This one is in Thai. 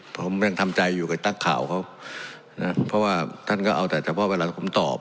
ผมยังทำใจอยู่กับนักข่าวเขานะเพราะว่าท่านก็เอาแต่เฉพาะเวลาผมตอบ